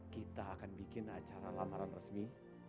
kita akan bikin acara lamaran resmi